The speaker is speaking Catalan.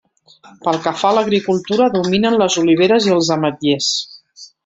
Pel que fa a l’agricultura dominen les oliveres i els ametllers.